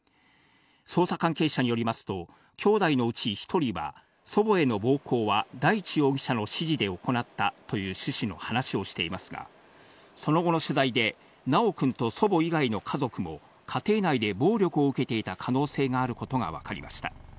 捜査関係者によりますと、きょうだいのうち１人は、祖母への暴行は大地容疑者の指示で行ったという趣旨の話をしていますが、その後の取材で、修くんと祖母以外の家族も家庭内で暴力を受けていた可能性があることがわかりました。